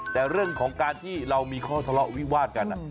แต่เรื่องของการที่เรามีข้อทะเลาะวิวาดกัน